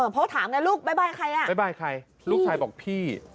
เพราะถามนะลูกบ๊ายบายใครอ่ะลูกชายบอกพี่